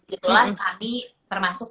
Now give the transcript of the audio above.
gitulah kami termasuk